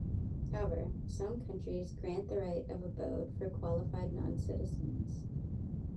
However, some countries grant the right of abode for qualified non-citizens.